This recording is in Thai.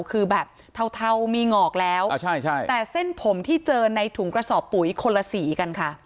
คือแบบเทามีหงอกแล้วแต่เส้นผมที่เจอในถุงกระสอบปุ๋ยคนละสีกันค่ะ